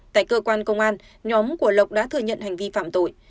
tại cơ quan công an nhóm của lộc đã thừa nhận hành vi phạm tội